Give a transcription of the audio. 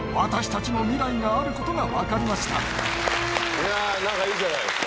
いや何かいいじゃないですか。